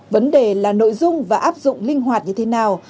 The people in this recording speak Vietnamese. vấn đề là nội dung và áp dụng linh hoạt như thế nào